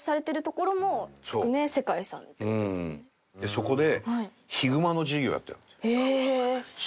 そこで。